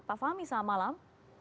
pak fahmi selamat malam